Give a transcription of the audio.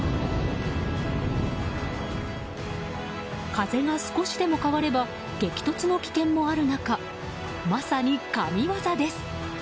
風が少しでも変われば激突の危険もある中まさに、神業です。